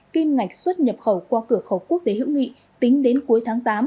kim ngạch xuất nhập khẩu qua cửa khẩu quốc tế hữu nghị tính đến cuối tháng tám